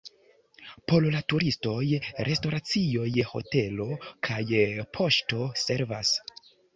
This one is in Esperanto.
Por la turistoj restoracioj, hotelo kaj poŝto servas.